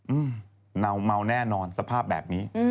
อื้มเนาเมาแน่นอนสภาพแบบนี้